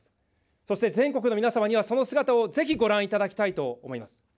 そして全国の皆様にはその姿をぜひご覧いただきたいと思います。